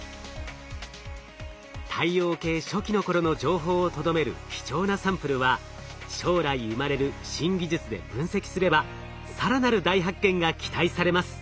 太陽系初期の頃の情報をとどめる貴重なサンプルは将来生まれる新技術で分析すれば更なる大発見が期待されます。